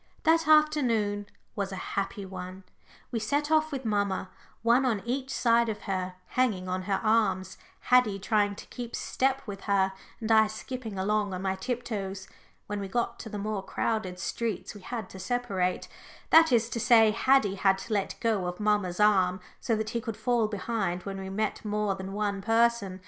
That afternoon was such a happy one. We set off with mamma, one on each side of her, hanging on her arms, Haddie trying to keep step with her, and I skipping along on my tiptoes. When we got to the more crowded streets we had to separate that is to say, Haddie had to let go of mamma's arm, so that he could fall behind when we met more than one person.